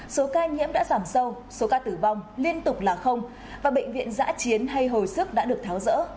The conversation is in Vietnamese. số ca nhiễm đã giảm sâu số ca tử vong liên tục là bệnh viện giã chiến hay hồi sức đã được tháo rỡ